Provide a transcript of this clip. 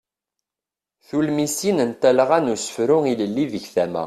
Tulmisin n talɣa n usefru ilelli deg tama.